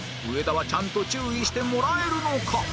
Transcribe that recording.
上田はちゃんと注意してもらえるのか？